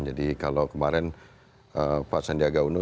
jadi kalau kemarin pak sandiaga uno